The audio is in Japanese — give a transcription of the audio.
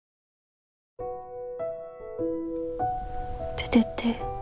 出てって。